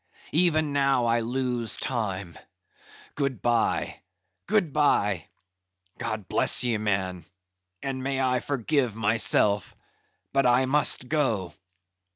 Even now I lose time. Good bye, good bye. God bless ye, man, and may I forgive myself, but I must go.